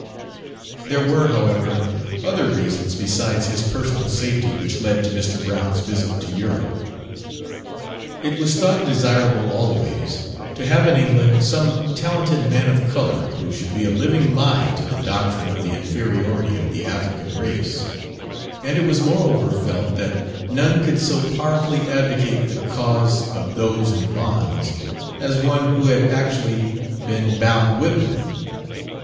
There were, however, other reasons besides his personal safety which led to Mr. Brown's visit to Europe. It was thought desirable always to have in England some talented man of colour who should be a living lie to the doctrine of the inferiority of the African race: and it was moreover felt that none could so powerfully advocate the cause of "those in bonds" as one who had actually been "bound with them."